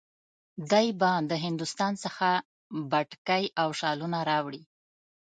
دی به د هندوستان څخه بتکۍ او شالونه راوړي.